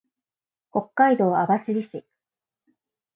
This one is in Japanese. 北海道網走市